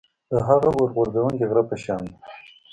د هغه اور غورځوونکي غره په شان ده.